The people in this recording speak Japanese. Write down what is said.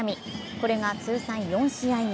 これが通算４試合目。